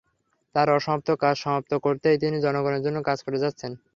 তাঁর অসমাপ্ত কাজ সমাপ্ত করতেই তিনি জনগণের জন্য কাজ করে যাচ্ছেন।